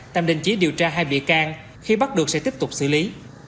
tạm đình chỉ điều tra hai bị can khi bắt được sẽ tiếp tục xử lý